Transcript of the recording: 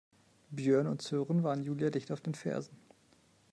Björn und Sören waren Julia dicht auf den Fersen.